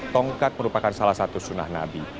tongkat merupakan salah satu sunnah nabi